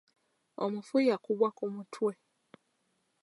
Omufu yakubwa ku mutwe.